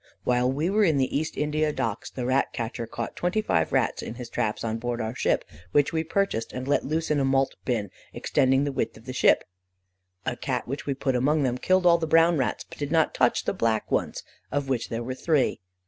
While we were in the East India Docks, the rat catcher caught twenty five rats in his traps on board our ship, which we purchased and let loose in a malt bin extending the width of the ship. A Cat which we put among them killed all the brown rats, but did not touch the black ones, of which there were three.